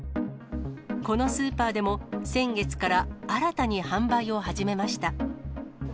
このスーパーでも、先月から新たに販売を始めました。